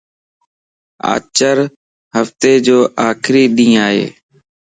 آچار ھفتي جو آخري ڏينھن ائي